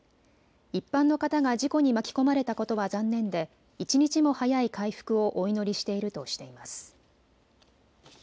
一般の方が事故に巻き込まれたことは残念で一日も早い回復をお祈りしているとしています。